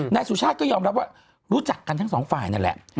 นายสุชาติก็ยอมรับว่ารู้จักกันทั้งสองฝ่ายนั่นแหละ